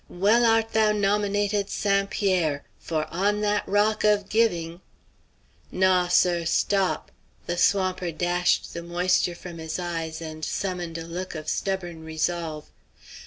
Well art thou nominated 'St. Pierre!' for on that rock of giving" "Naw, sir! Stop!" The swamper dashed the moisture from his eyes and summoned a look of stubborn resolve.